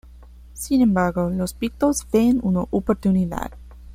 Sin embargo, los pictos ven una oportunidad.